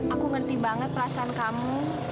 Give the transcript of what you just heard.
aku ngerti banget perasaan kamu